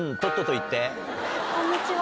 あっこんにちは。